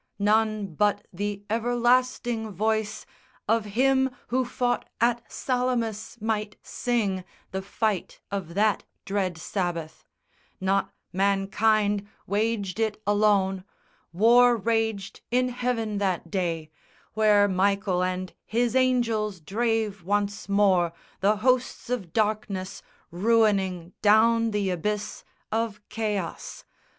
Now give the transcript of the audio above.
None but the everlasting voice Of him who fought at Salamis might sing The fight of that dread Sabbath. Not mankind Waged it alone. War raged in heaven that day, Where Michael and his angels drave once more The hosts of darkness ruining down the abyss Of chaos.